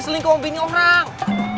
selingkuh sama bini orang